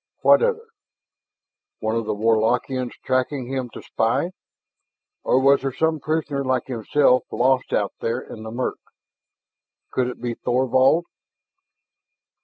What other? One of the Warlockians tracking him to spy? Or was there some prisoner like himself lost out there in the murk? Could it be Thorvald?